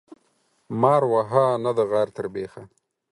مار وهه ، نه د غار تر بيخه.